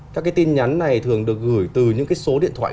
các cái tin nhắn này thường được gửi từ những cái số điện thoại